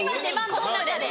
この中で。